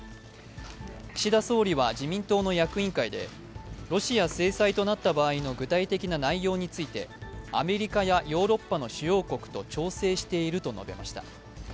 岸田総理は自民党の役員会でロシア制裁となった場合の具体的な内容について、アメリカやヨーロッパの主要国と調整していると述べました。